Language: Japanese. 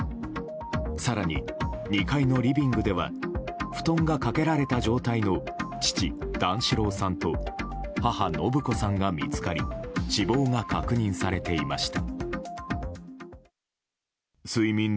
更に２階のリビングでは布団がかけられた状態の父・段四郎さんと母・延子さんが見つかり死亡が確認されていました。